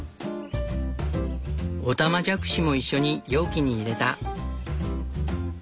オタマジャクシもいっしょに容器に入れた。